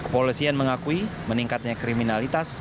polisi yang mengakui meningkatnya kriminalitas